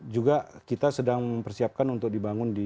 juga kita sedang mempersiapkan untuk dibangun di